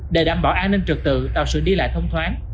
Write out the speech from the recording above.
để đảm bảo an ninh trực tự tạo sự đi lại thông thoáng